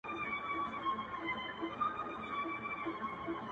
سترگي كه نور هيڅ نه وي ژړا پكي مــــــوجــــوده وي،